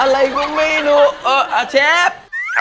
เรียบร้อยครับ